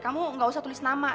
kamu gak usah tulis nama